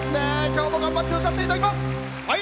今日も頑張って歌っていただきます。